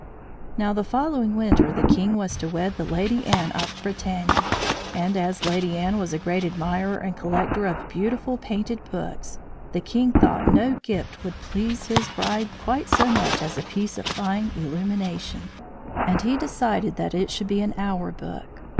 Now the following winter, the king was to wed the Lady Anne of Bretagne; and as Lady Anne was a great admirer and collector of beautiful painted books, the king thought no gift would please his bride quite so much as a piece of fine illumination; and he decided that it should be an hour book.